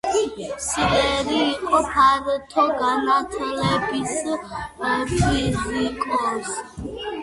შილერი იყო ფართო განათლების ფიზიკოსი.